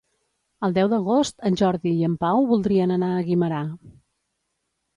El deu d'agost en Jordi i en Pau voldrien anar a Guimerà.